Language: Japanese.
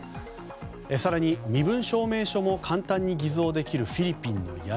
更に、身分証明書も簡単に偽造できるフィリピンの闇。